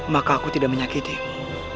maka aku tidak menyakitimu